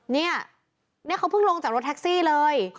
เนี่ยนี่เขาเพิ่งลงจากรถแท็กซี่เลย